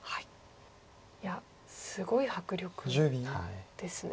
いやすごい迫力ですね。